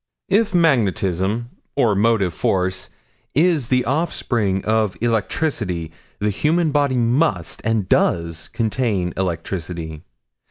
"If magnetism or motive force, is the offspring of electricity, the human body must, and does contain electricity.